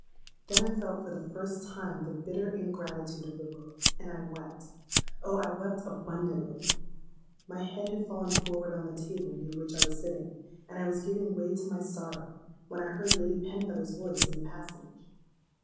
Then I felt for the first time the bitter ingratitude of the world, and I wept. Oh! I wept abundantly. My head had fallen forward on the table near which I was sitting; and I was giving way to my sorrow, when I heard Lady Penfeather's voice in the passage.